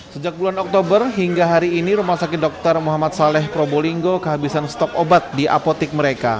sejak bulan oktober hingga hari ini rumah sakit dr muhammad saleh probolinggo kehabisan stok obat di apotik mereka